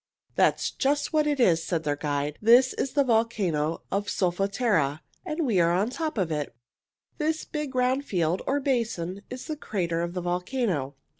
"That's just what it is," said their guide. "This is the volcano of Solfatara, and we are on the top of it. This big round field, or basin, is the crater of the volcano.